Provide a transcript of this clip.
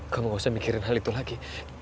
kamu gak usah mikirin hal itu lagi